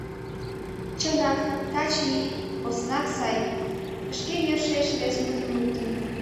— Чынак, таче ий... поснак сай, — шке йӧршеш вес мутым луктын.